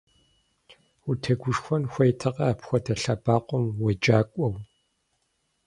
Утегушхуэн хуейтэкъэ апхуэдэ лъэбакъуэм уеджакӏуэу!